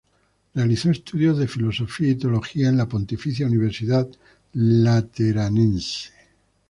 Realizó estudios de filosofía y teología en la Pontificia Universidad Lateranense.